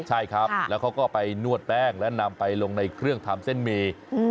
ใช่ครับแล้วเขาก็ไปนวดแป้งและนำไปลงในเครื่องทำเส้นหมี่